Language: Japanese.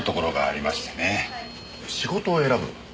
仕事を選ぶ？